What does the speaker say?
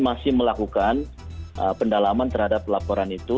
masih melakukan pendalaman terhadap laporan itu